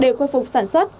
để khôi phục sản xuất